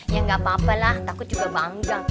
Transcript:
ya gak apa apa lah takut juga bangjang